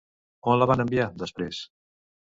On la van enviar, després?